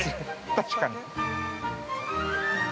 確かに。